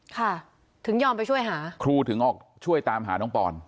ค่ะถึงยอมไปช่วยหาครูถึงออกช่วยตามหาน้องปอน